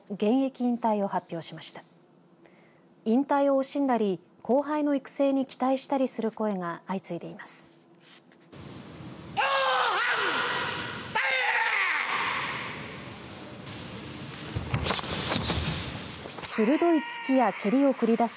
引退を惜しんだり後輩の育成に期待したりする声が相次いでいます。